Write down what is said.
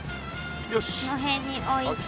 この辺に置いて。